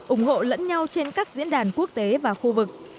ủng hộ lẫn nhau trên các diễn đàn quốc tế và khu vực